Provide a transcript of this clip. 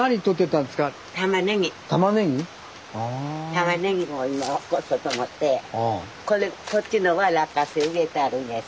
たまねぎも今起こそうと思ってこれこっちのは落花生植えてあるんやし。